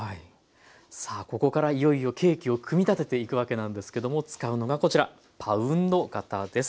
さあここからいよいよケーキを組み立てていくわけなんですけども使うのがこちらパウンド型です。